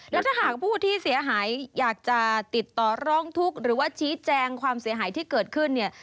แล้วถ้าหากผู้ที่เสียหายอยากจะติดต่อร้องทุกข์หรือว่าชี้แจงความเสียหายที่เกิดขึ้นเนี่ย